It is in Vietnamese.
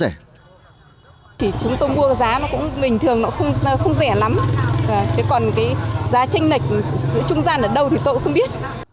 giá tranh lệch giữa trung gian ở đâu thì tôi cũng không biết